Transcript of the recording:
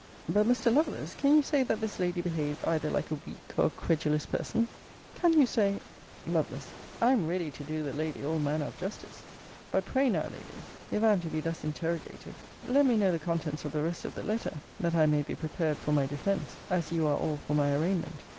But, Mr. Lovelace, can you say that this lady behaved either like a weak, or a credulous person? Can you say Lovel. I am ready to do the lady all manner of justice. But, pray now, Ladies, if I am to be thus interrogated, let me know the contents of the rest of the letter, that I may be prepared for my defence, as you are all for my arraignment.